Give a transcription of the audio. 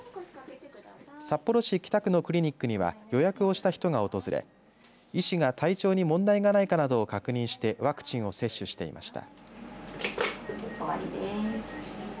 札幌市北区のクリニックには予約をした人が訪れ医師が体調に問題がないかなどを確認してワクチンを接種していました。